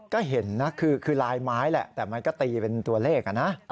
ก็เห็นนะคือลายไม้แหละแต่มันก็ตีเป็นตัวเลขนะ